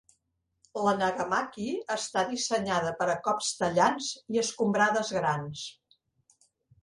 La nagamaki està dissenyada per a cops tallants i escombrades grans.